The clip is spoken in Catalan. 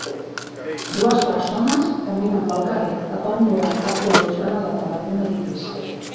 Dues persones caminen pel carrer cap a un mural de colors en el lateral d'un edifici.